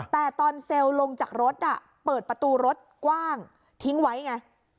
แต่ตอนเซลล์ลงจากรถเปิดประตูรถกว้างทิ้งไว้ไง